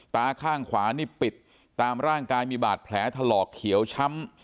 ตาข้างขวานี่ปิดตามร่างกายมีบาดแผลถลอกเขียวช้ำ